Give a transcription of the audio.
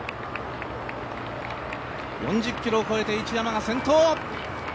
４０ｋｍを超えて市山が先頭。